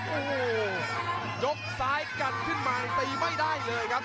โอ้โหยกซ้ายกันขึ้นมาตีไม่ได้เลยครับ